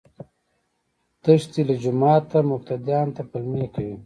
تښتي له جوماته مقتديانو ته پلمې کوي